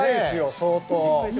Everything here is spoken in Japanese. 相当。